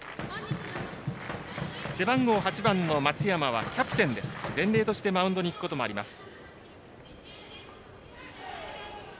背番号８番の松山はキャプテン伝令としてマウンドに行くこともあります。